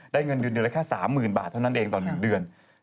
เงินเดือนละแค่๓๐๐๐บาทเท่านั้นเองต่อ๑เดือน